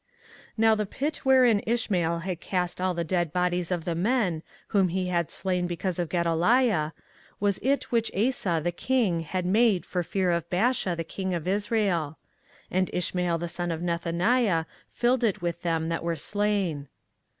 24:041:009 Now the pit wherein Ishmael had cast all the dead bodies of the men, whom he had slain because of Gedaliah, was it which Asa the king had made for fear of Baasha king of Israel: and Ishmael the son of Nethaniah filled it with them that were slain.